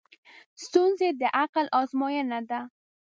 ستونزې د عقل ازموینه ده.